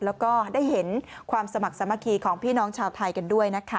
แล้วก็ได้เห็นความสมัครสามัคคีของพี่น้องชาวไทยกันด้วยนะคะ